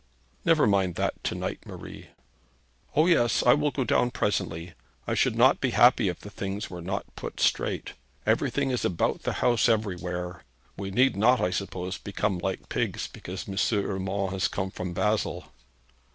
'Never mind that to night, Marie.' 'O yes, I will go down presently. I should not be happy if the things were not put straight. Everything is about the house everywhere. We need not, I suppose, become like pigs because M. Urmand has come from Basle.'